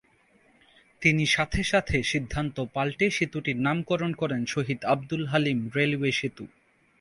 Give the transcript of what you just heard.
তিনি সাথে সাথে সিদ্ধান্ত পাল্টে সেতুটির নামকরণ করেন ‘শহীদ আবদুল হালিম রেলওয়ে সেতু’।